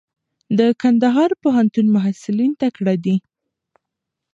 د کندهار پوهنتون محصلین تکړه دي.